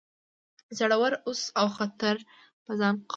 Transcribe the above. زړور اوسه او خطر په ځان قبول کړه.